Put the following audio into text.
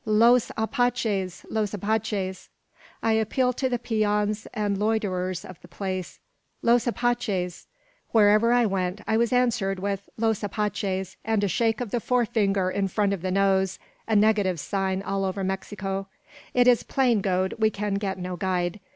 "Los Apaches! los Apaches!" I appealed to the peons and loiterers of the plaza. "Los Apaches!" Wherever I went, I was answered with "Los Apaches," and a shake of the forefinger in front of the nose a negative sign over all Mexico. "It is plain, Gode, we can get no guide.